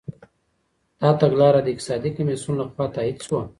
دا تګلاره د اقتصادي کميسيون لخوا تاييد سوه.